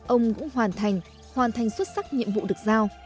ông cũng hoàn thành hoàn thành xuất sắc nhiệm vụ được giao